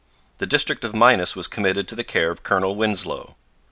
The district of Minas was committed to the care of Colonel Winslow.